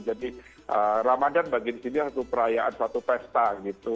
jadi ramadhan bagi di sini adalah perayaan suatu pesta gitu